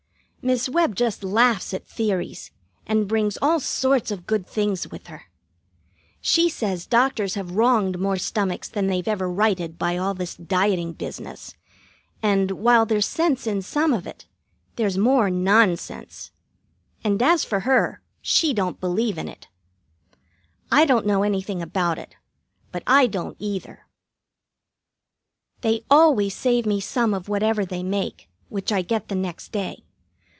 Miss Webb just laughs at theories, and brings all sorts of good things with her. She says doctors have wronged more stomachs than they've ever righted by all this dieting business, and, while there's sense in some of it, there's more nonsense; and as for her, she don't believe in it. I don't know anything about it; but I don't, either. They always save me some of whatever they make, which I get the next day.